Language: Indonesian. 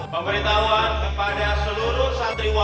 pemberitahuan kepada seluruh santriwa